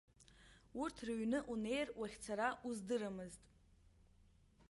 Урҭ рыҩны унеир, уахьцара уздырамызт.